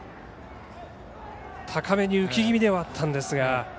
高めに浮き気味ではあったんですが。